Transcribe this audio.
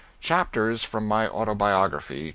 CHAPTERS FROM MY AUTOBIOGRAPHY.